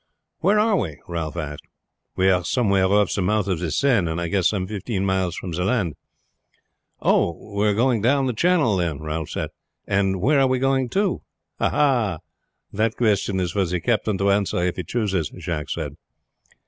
"Where about are we?" Ralph asked. "We are somewhere off the mouth of the Seine, and I guess some fifteen miles from land." "Oh, we are working down the channel then," Ralph said. "And where are we going to?" "Ah! that question is for the captain to answer if he chooses," Jacques said.